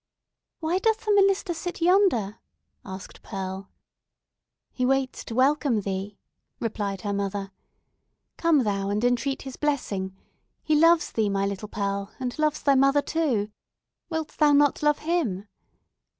"Why doth the minister sit yonder?" asked Pearl. "He waits to welcome thee," replied her mother. "Come thou, and entreat his blessing! He loves thee, my little Pearl, and loves thy mother, too. Wilt thou not love him?